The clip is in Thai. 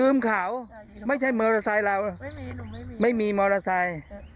เขาไม่ใช่มอเตอร์ไซค์เราไม่มีมอเตอร์ไซค์